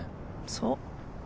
そう。